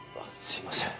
すいません。